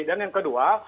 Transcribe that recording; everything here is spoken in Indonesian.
dan yang kedua